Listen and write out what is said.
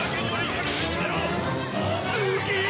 すげえ！